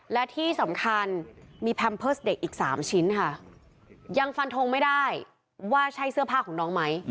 และที่สำคัญมีแพมเพิร์สเด็กอีก๓ชิ้นค่ะยังฟันทงไม่ได้ว่าใช่เสื้อผ้าของน้องไหม